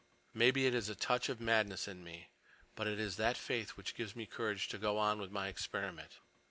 Maybe it is a touch of madness in me. But it is that faith which gives me courage to go on with my experiment.